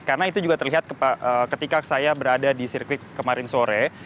karena itu juga terlihat ketika saya berada di sirkuit kemarin sore